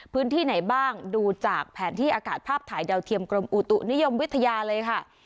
พื้นที่ไหนบ้างดูจากแผนที่อากาศภาพถ่ายดาวเทียมกรมอุตุนิยมวิทยาเลยค่ะ